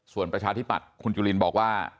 ส่วนประชาธิปัตย์คุณจุลินบอกว่า